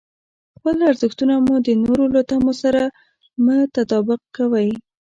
خپل ارزښتونه مو د نورو له تمو سره مه تطابق کوئ.